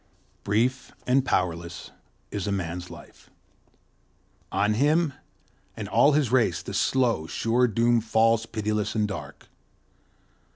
Brief and powerless is Man's life; on him and all his race the slow, sure doom falls pitiless and dark.